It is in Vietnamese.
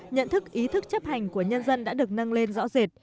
nhận thức ý thức chấp hành của nhân dân đã được nâng lên rõ rệt